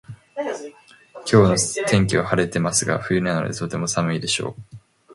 今日の天気は晴れてますが冬なのでとても寒いでしょう